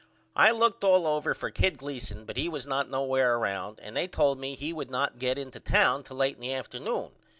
I looked all over for Kid Gleason but he was not nowheres round and they told me he would not get into town till late in the afternoon.